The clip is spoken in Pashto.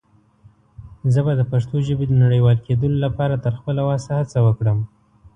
زه به دَ پښتو ژبې د نړيوال کيدلو لپاره تر خپله وسه هڅه وکړم.